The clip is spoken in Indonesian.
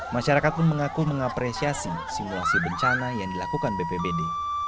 masyarakat pun mengaku mengapresiasi simulasi bencana yang dilakukan bpbd